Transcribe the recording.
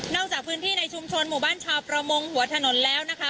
จากพื้นที่ในชุมชนหมู่บ้านชาวประมงหัวถนนแล้วนะคะ